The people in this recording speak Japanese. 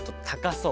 そう。